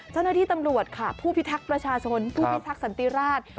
เจ้าหน้าที่ตำรวจค่ะผู้พิทักษ์ประชาชนผู้พิทักษันติราช